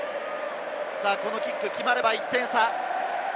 キックが決まれば１点差。